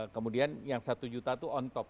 kemudian yang satu juta itu on top